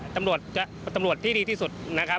ตำรวจที่ดีที่สุด